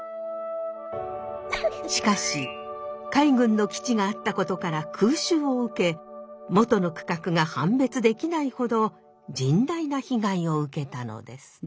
しかし海軍の基地があったことから空襲を受け元の区画が判別できないほど甚大な被害を受けたのです。